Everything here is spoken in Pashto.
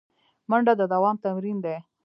منډه د دوام تمرین دی